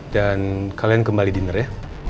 dan kalian kembali dinner ya